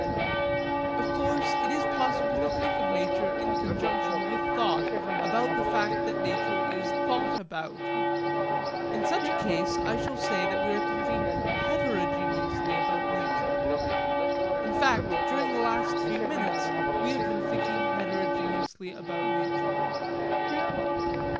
Of course it is possible to think of nature in conjunction with thought about the fact that nature is thought about. In such a case I shall say that we are thinking 'heterogeneously' about nature. In fact during the last few minutes we have been thinking heterogeneously about nature.